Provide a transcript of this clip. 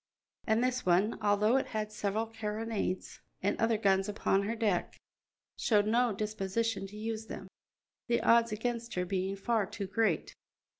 And this one, although it had several carronades and other guns upon her deck, showed no disposition to use them, the odds against her being far too great.